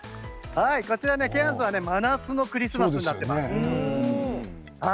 ケアンズは真夏のクリスマスになっています。